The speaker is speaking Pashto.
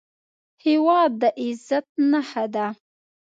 هېواد د عزت نښه ده